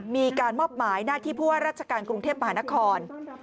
มีการมอบหมายหน้าที่ผู้ว่าราชการกรุงเทพมหานคร